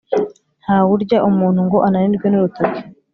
Ntawe urya umuntu ngo ananirwe n’urutoki.